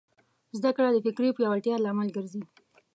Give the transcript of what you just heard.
زدهکړه د فکري پیاوړتیا لامل ګرځي.